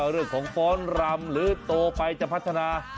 เรื่องของฟ้อนรำหรือโตไปจะพัฒนา